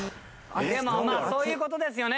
でもまあそういう事ですよね。